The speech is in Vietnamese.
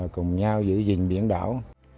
cùng nhau giữ gìn biển đảo